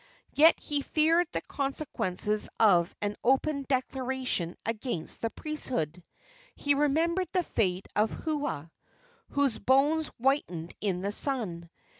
Yet he feared the consequences of an open declaration against the priesthood. He remembered the fate of Hua, whose bones whitened in the sun.